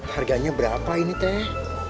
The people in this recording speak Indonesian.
harganya berapa ini cek